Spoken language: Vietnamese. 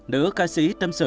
nữ ca sĩ tâm sự